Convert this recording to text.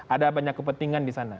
ada banyak kepentingan di sana